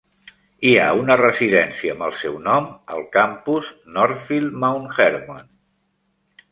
Hi ha una residència amb el seu nom al campus Northfield Mount Hermon.